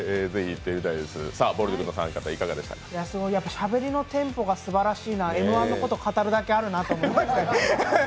しゃべりのテンポがすばらしいなと「Ｍ−１」のこと語るだけあるなと思いました。